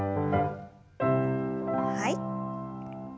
はい。